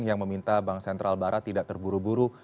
yang meminta bank sentral barat tidak terburu buru